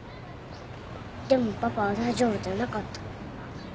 でもパパは大丈夫じゃなかった。